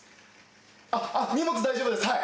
あっ荷物大丈夫ですはい。